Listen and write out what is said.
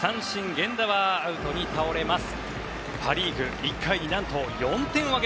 源田はアウトに倒れます。